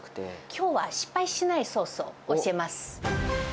きょうは、失敗しないソースを教えます。